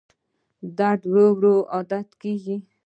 درد ورو ورو عادت کېږي.